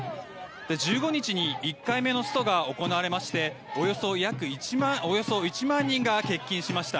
１５日に１回目のストが行われましておよそ１万人が欠勤しました。